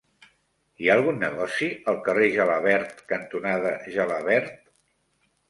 Hi ha algun negoci al carrer Gelabert cantonada Gelabert?